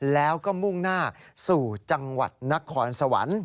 แล้วก็มุ่งหน้าสู่จังหวัดนครสวรรค์